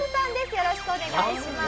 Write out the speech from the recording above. よろしくお願いします。